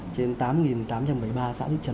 trên tám tám trăm một mươi ba xã thị trấn